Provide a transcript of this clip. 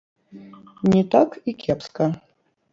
Не так і кепска.